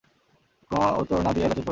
কোনো উত্তর না দিয়ে এলা চুপ করে রইল।